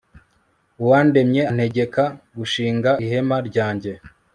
uwandemye antegeka gushinga ihema ryanjye